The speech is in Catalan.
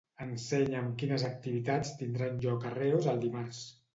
Ensenya'm quines activitats tindran lloc a Reus el dimarts.